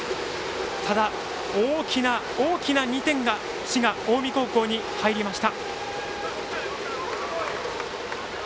ただ、大きな大きな２点が滋賀・近江高校に入りました。